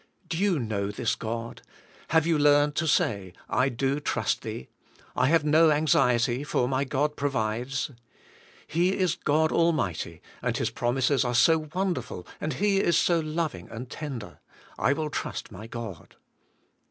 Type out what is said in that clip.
Do you know this God ? Have you learned to say, *'I do trust Thee. I have no anxiety, for my God provides. He is God Almighty and His promises are so wonderful and He is so loving and tender. I will trust my God."